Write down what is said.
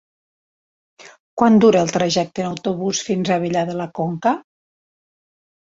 Quant dura el trajecte en autobús fins a Abella de la Conca?